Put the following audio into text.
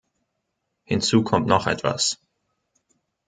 Hinzu kommt noch etwas.